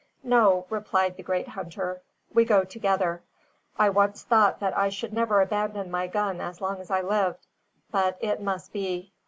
"No," replied the great hunter; "we go together. I once thought that I should never abandon my gun as long as I lived; but it must be.